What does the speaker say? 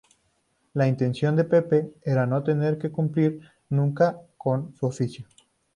La intención de "Pepe" era no tener que cumplir nunca con su oficio.